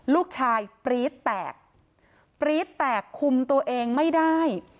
ลูกชายปรี๊ดแตกปรี๊ดแตกคุมตัวเองไม่ได้